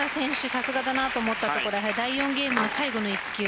さすがだなと思ったところ第４ゲームの最後の１球。